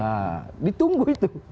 nah ditunggu itu